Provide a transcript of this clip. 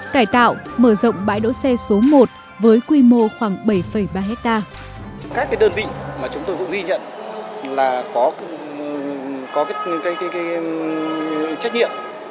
cải tạo mở rộng bãi đỗ xe số một với quy mô khoảng bảy ba hectare